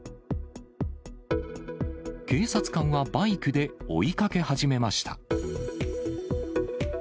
警察官はバイクで追いかけ始めました。